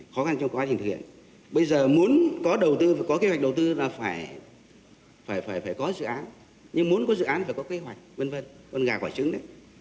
khó khăn trong quá trình thực hiện bây giờ muốn có đầu tư phải có kế hoạch đầu tư là phải có dự án nhưng muốn có dự án phải có kế hoạch v v con gà quả trứng đấy